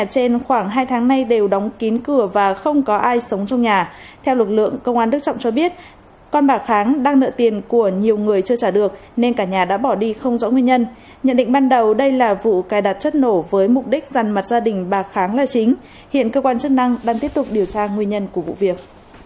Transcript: cả nhà đã bỏ đi không rõ nguyên nhân nhận định ban đầu đây là vụ cài đặt chất nổ với mục đích rằng mặt gia đình bà kháng là chính hiện cơ quan chất năng đang tiếp tục điều tra nguyên nhân của vụ việc